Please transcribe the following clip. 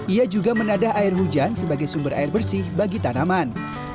ia juga menadah air hujan sebagai sumber air bersih bagi tanaman